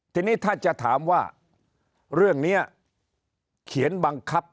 ทีนี้ถ้าจะถามว่าเรื่องนี้เขียนบังคับ